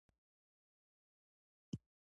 رضوان ورغی په عربي یې څه ورته وویل.